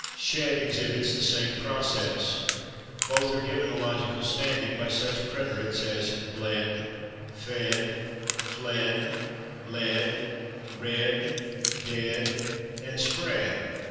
/Shed/ exhibits the same process. Both are given a logical standing by such preterites as /bled/, /fed/, /fled/, /led/, /read/, /dead/ and /spread